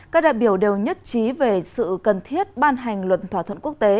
các đại biểu đều nhất trí về sự cần thiết ban hành luận thỏa thuận quốc tế